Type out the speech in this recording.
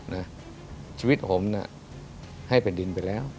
นะชีวิตผมน่ะให้แผ่นดินไปแล้ว